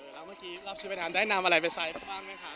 แล้วเมื่อกี้รับชุดว่ายน้ำได้นำอะไรไปใช้บ้างไหมค่ะ